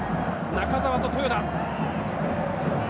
中澤と豊田」。